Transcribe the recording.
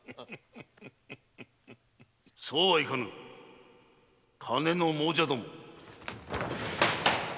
・そうはいかぬ金の亡者ども。